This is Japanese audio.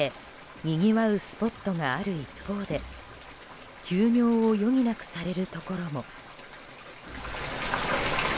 にぎわうスポットがある一方で休業を余儀なくされるところも。